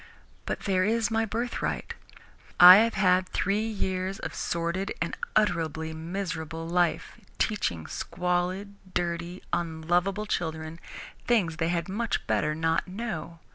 But there is my birthright. I have had three years of sordid and utterly miserable life, teaching squalid, dirty, unlovable children things they had much better not know.